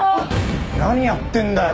何やってんだよ？